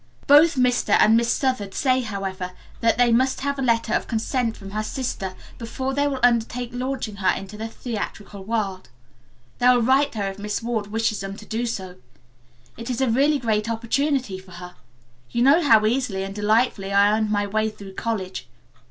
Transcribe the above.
Both Mr. and Miss Southard say, however, that they must have a letter of consent from her sister before they will undertake launching her in the theatrical world. They will write her if Miss Ward wishes them to do so. It is a really great opportunity for her. You know how easily and delightfully I earned my way through college.